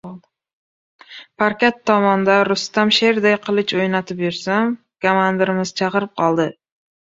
Parkat tomonda Rustam sherday qilich o‘ynatib yursam, kamandirimiz chaqirib qoldi.